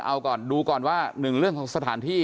เอาก่อนดูก่อนว่าหนึ่งเรื่องของสถานที่